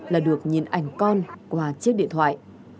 là được nhìn ảnh con qua chiếc điện thoại